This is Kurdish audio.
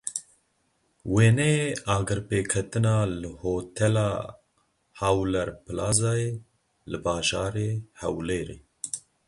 Wêneyê agirpêketina li hotela HawlerPlazayê li bajarê Hewlêrê.